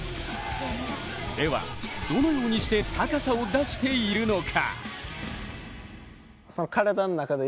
では、どのようにして高さを出しているのか。